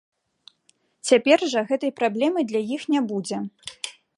Цяпер жа гэтай праблемы для іх не будзе.